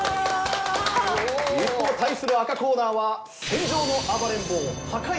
一方対する赤コーナーは戦場の暴れん坊破壊神アレス！